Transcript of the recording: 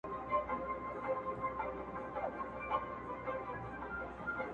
ګل به ایښی پر ګرېوان وی ته به یې او زه به نه یم -